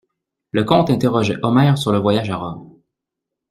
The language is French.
Le comte interrogeait Omer sur le voyage à Rome.